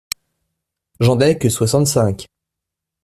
J’en ai que soixante-cinq.